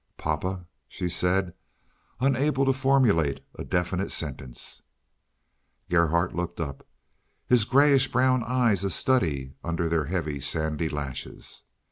"Papa," she said, unable to formulate a definite sentence. Gerhardt looked up, his grayish brown eyes a study under their heavy sandy lashes.